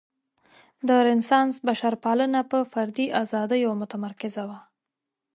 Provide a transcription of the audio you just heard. د رنسانس بشرپالنه په فردي ازادیو متمرکزه وه.